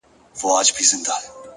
هوډ د وېرې زنځیرونه کمزوري کوي،